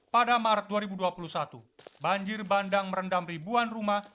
pada maret dua ribu dua puluh satu banjir bandang merendam ribuan rumah